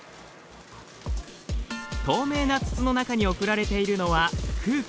透明な筒の中に送られているのは空気。